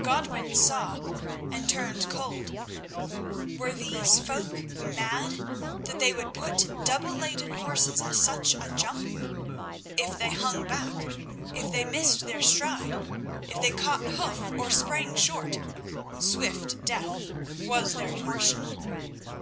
Godwin saw and turned cold. Were these folk mad that they would put double laden horses at such a jump? If they hung back, if they missed their stride, if they caught hoof or sprang short, swift death was their portion.